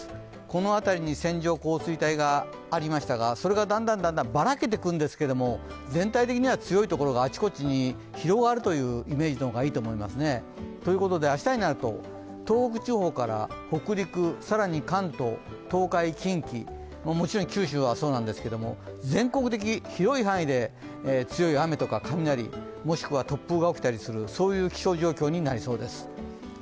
この辺りに線状降水帯がありましたが、それがだんだんばらけてくるんですけど全体的には強いところがあちこちに広がるというイメージの方がいいと思いますね。ということで明日になると、東北地方から北陸、更に関東、東海、近畿、もちろん九州はそうなんですけど、全国的広い範囲で強い雨や雷、もしくは突風が起きたりするそういう気象状況になりそうです。